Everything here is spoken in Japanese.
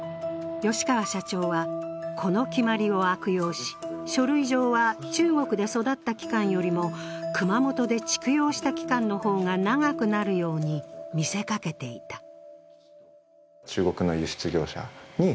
吉川社長は、この決まりを悪用し、書類上は中国で育った期間よりも熊本で蓄養した期間の方が長くなるように見せかけていた。